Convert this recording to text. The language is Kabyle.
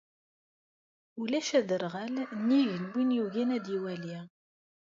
Ulac aderɣal nnig n win yugin ad iwali.